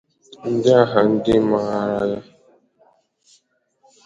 n'aha ndị mpaghara ha